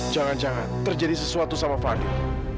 jangan jangan terjadi sesuatu sama farid